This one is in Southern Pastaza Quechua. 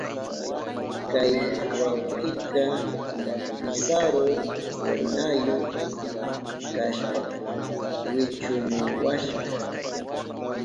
Kay wawkika wisaru purinayu kashpan wichumuwashka.